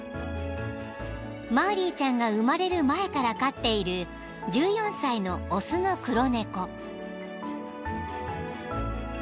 ［マーリーちゃんが生まれる前から飼っている１４歳の雄の黒猫］